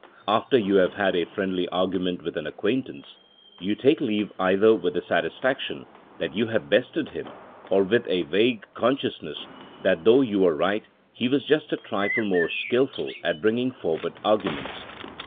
After you have had a friendly argument with an acquaintance, you take leave either with the satisfaction that you have bested him, or with a vague consciousness that though you were right, he was just a trifle more skillful at bring ing forward arguments.